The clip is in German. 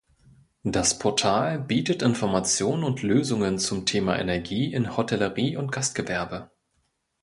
Das Portal bietet Informationen und Lösungen zum Thema Energie in Hotellerie und Gastgewerbe.